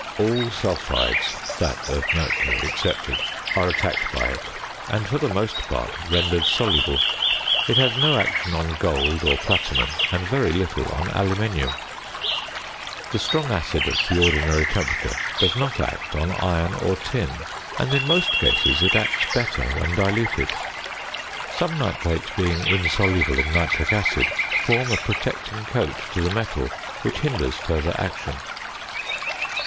All sulphides (that of mercury excepted) are attacked by it, and for the most part rendered soluble. It has no action on gold or platinum, and very little on aluminium. The strong acid at the ordinary temperature does not act on iron or tin; and in most cases it acts better when diluted. Some nitrates being insoluble in nitric acid, form a protecting coat to the metal which hinders further action.